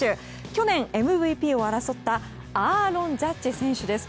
去年、ＭＶＰを争ったアーロン・ジャッジ選手です。